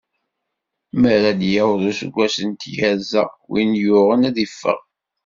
Mi ara d-yaweḍ useggas n tyerza, win yuɣen ad iffeɣ.